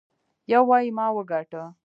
يو وايي ما وګاټه.